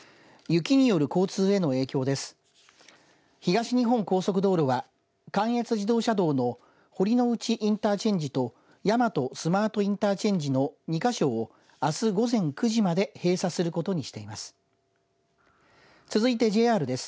東日本高速道路は関越自動車道の堀之内インターチェンジと大和スマートインターチェンジの２か所をあす午前９時間まで閉鎖することにしています。